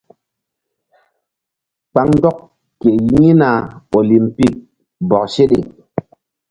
Kpaŋndɔk ke yi̧hna olimpik bɔk seɗe.